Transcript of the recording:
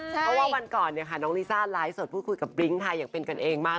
เพราะว่าวันก่อนเนี่ยค่ะน้องลิซ่าไลฟ์สดพูดคุยกับบริ้งไทยอย่างเป็นกันเองมาก